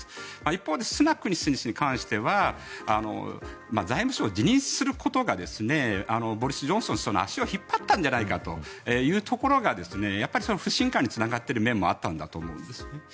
一方で、スナク氏に関しては財務省を辞任することがジョンソン首相の足を引っ張ったんじゃないかというところが不信感につながっている面もあったんだと思いますね。